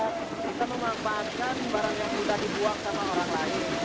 kita memanfaatkan barang yang sudah dibuang sama orang lain